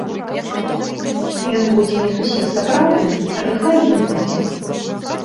Ён будзе не зусім сапраўдным, але хай ён будзе.